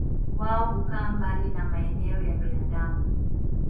Wao hukaa mbali na maeneo ya binadamu.